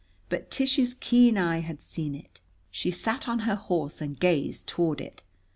But Tish's keen eye had seen it. She sat on her horse and gazed toward it.